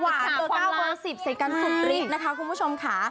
หวานเต้อเก้าบนสิบสีกันสุดริดนะคะคุณผู้ชมค่ะ